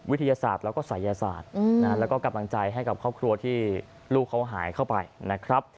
วิทยาศาสตร์แล้วก็ศัยศาสตร์แล้วก็กำลังใจให้กับครอบครัวที่ลูกเขาหายเข้าไปนะครับ